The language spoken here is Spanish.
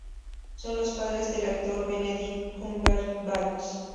Son los padres del actor Benedict Cumberbatch.